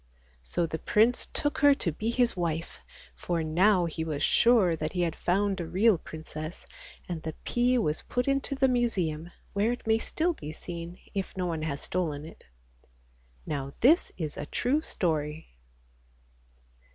So the prince took her to be his wife, for now he was sure that he had found a real princess, and the pea was put into the Museum, where it may still be seen if no one has stolen it. Now this is a true story.